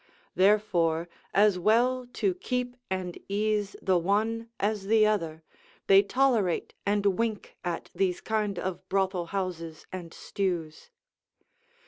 Therefore, as well to keep and ease the one as the other, they tolerate and wink at these kind of brothel houses and stews.